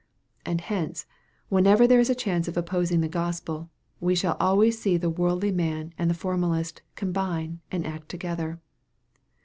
And hence, whenever there is a chance of opposing the G ospel, we shall always see the worldly man and the formalist combine and act together.